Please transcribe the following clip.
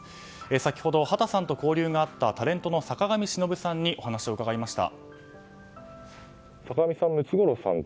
先ほど、畑さんと交流があったタレントの坂上忍さんにお話を伺いました。